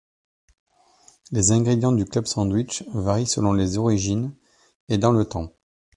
Les ingrédients du club sandwich varient selon les origines et dans le temps.